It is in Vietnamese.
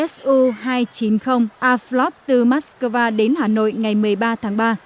su hai trăm chín mươi aflot từ moscow đến hà nội ngày một mươi ba tháng ba